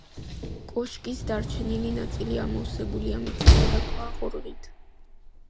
კოშკის დარჩენილი ნაწილი ამოვსებულია მიწითა და ქვა-ღორღით.